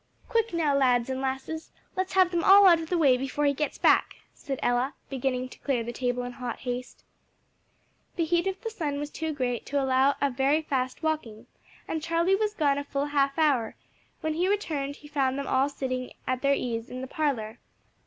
"Quick, now, lads and lasses, let's have them all out of the way before he gets back," said Ella, beginning to clear the table in hot haste. The heat of the sun was too great to allow of very fast walking, and Charlie was gone a full half hour; when he returned he found them all sitting at their ease in the parlor.